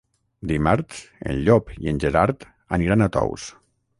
Dimarts en Llop i en Gerard aniran a Tous.